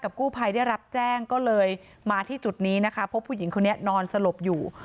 กู้ภัยได้รับแจ้งก็เลยมาที่จุดนี้นะคะพบผู้หญิงคนนี้นอนสลบอยู่